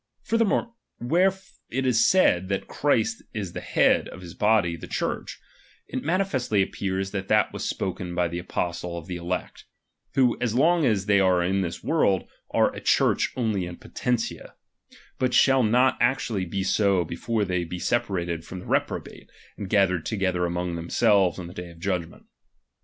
Further more, where it is said that Christ is the head of his body the Church, it manifestly appears that that was spoken by the Apostle of the elect ; who, as long as they are in this world, are a Church only in potentia ; but shall not actually be so before they be separated from the reprobate, and gathered together among themselves in the day of judgment.